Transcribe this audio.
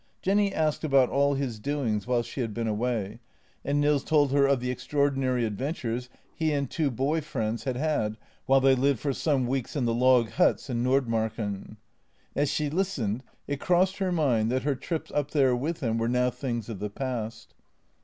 Jenny asked about all his doings while she had been away, and Nils told her of the extraordinary adventures he and two boy friends had had while they lived for some weeks in the log huts in Nordmarken. As she listened, it crossed her mind that her trips up there with him were now things of the past.